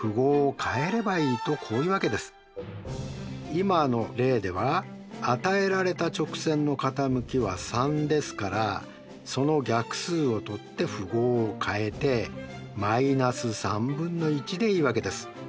今の例では与えられた直線の傾きは３ですからその逆数をとって符号を変えて−でいいわけです。